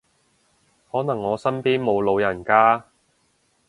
可能我身邊冇老人家